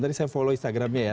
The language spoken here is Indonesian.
tadi saya follow instagramnya ya